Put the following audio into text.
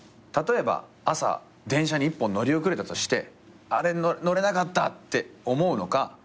例えば朝電車に１本乗り遅れたとしてあれに乗れなかった！って思うのか